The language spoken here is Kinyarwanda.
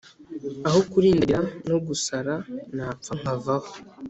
aho kurindagira no gusara napfa nkavaho